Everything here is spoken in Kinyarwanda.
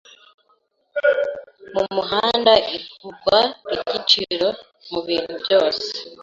mumuhanda igurwa nigiciro Mubintu byose